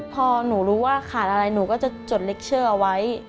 พอหนูรู้ว่าขาดอะไรหนูก็จะจดเล็กเชอร์เอาไว้